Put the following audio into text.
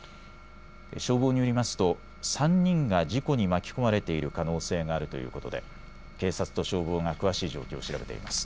消防によりますと３人が事故に巻き込まれている可能性があるということで警察と消防が詳しい状況を調べています。